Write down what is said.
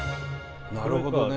なるほどね。